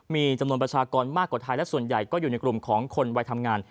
มีจำนวนประชากรมากกว่าไทยและส่วนใหญ่ก็อยู่ในกลุ่มของคนวัยทำงาน